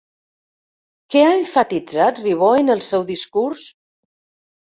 Què ha emfatitzat Ribó en el seu discurs?